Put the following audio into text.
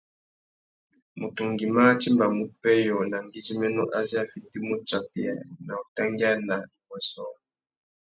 Mutu ngüimá a timbamú pêyô na ngüidjiménô azê a fitimú utsakeya na utangüiana na wa sôō.